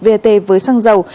vat với xăng dầu